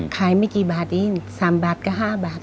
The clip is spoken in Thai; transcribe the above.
ไม่กี่บาทเอง๓บาทก็๕บาท